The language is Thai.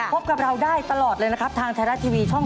พบกับเราได้ตลอดเลยนะครับทางไทยรัฐทีวีช่อง๓